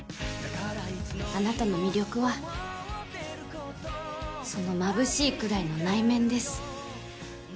あなたの魅力はそのまぶしいくらいの内面です